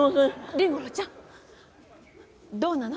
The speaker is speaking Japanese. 凛吾郎ちゃんどうなの？